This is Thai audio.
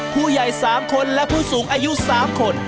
ผู้ใหญ่๓คนและผู้สูงอายุ๓คน